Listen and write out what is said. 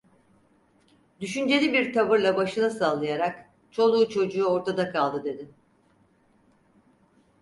Düşünceli bir tavırla başını sallayarak: "Çoluğu çocuğu ortada kaldı" dedi.